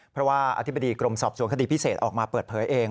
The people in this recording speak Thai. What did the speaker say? เพราะว่าอธิบดีกรมสอบสวนคดีพิเศษออกมาเปิดเผยเอง